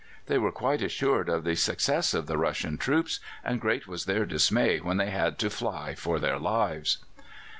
They were quite assured of the success of the Russian troops, and great was their dismay when they had to fly for their lives.